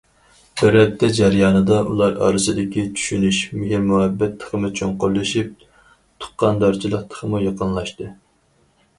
بىر ھەپتە جەريانىدا ئۇلار ئارىسىدىكى چۈشىنىش، مېھىر- مۇھەببەت تېخىمۇ چوڭقۇرلىشىپ، تۇغقاندارچىلىق تېخىمۇ يېقىنلاشتى.